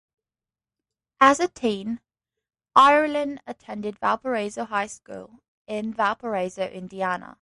As a teen, Ireland attended Valparaiso High School in Valparaiso, Indiana.